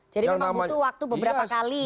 jadi memang butuh waktu beberapa kali